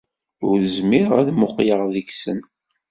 Ur zmireɣ ad muqqleɣ deg-sen.